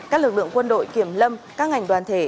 các lực lượng quân đội kiểm lâm các ngành đoàn thể